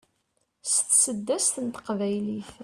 s tseddast n teqbaylit